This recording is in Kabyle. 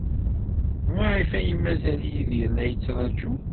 Maɣef ay mazal Yidir la yettṛaju?